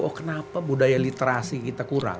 oh kenapa budaya literasi kita kurang